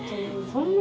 そんな